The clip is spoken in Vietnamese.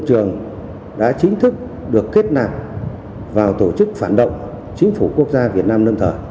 trường đã chính thức được kết nạp vào tổ chức phản động chính phủ quốc gia việt nam lâm thời